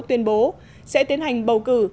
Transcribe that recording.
tuyên bố sẽ tiến hành bầu cử